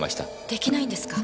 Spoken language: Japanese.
できないんですか？